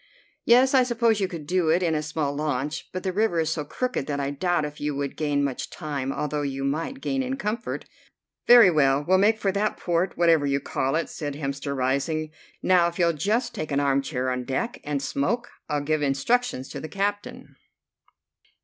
"Yes, I suppose you could do it in a small launch, but the river is so crooked that I doubt if you would gain much time, although you might gain in comfort." "Very well, we'll make for that port, whatever you call it," said Hemster, rising. "Now, if you'll just take an armchair on deck, and smoke, I'll give instructions to the captain."